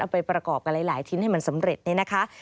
ไปประกอบกับหลายชิ้นให้มันสำเร็จนี่นะคะ